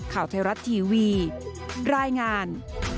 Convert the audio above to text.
ข่าวไทยรัฐทีวีรายงาน